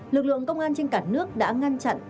lực lượng công an trên cả nước đã ngăn chặn